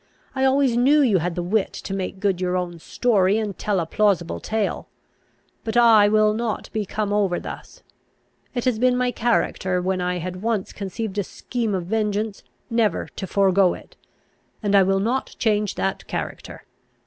I always knew you had the wit to make good your own story, and tell a plausible tale. But I will not be come over thus. It has been my character, when I had once conceived a scheme of vengeance, never to forego it; and I will not change that character.